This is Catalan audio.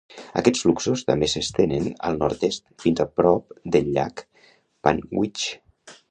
Aquests fluxos també s'estenen al nord-est, fins a prop del llac Panguitch.